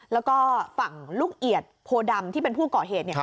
แล้วก็ฝั่งลูกเอียดโพดำที่เป็นผู้ก่อเหตุ